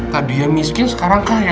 tadi yang miskin sekarang kaya